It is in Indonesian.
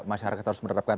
masyarakat harus menerapkan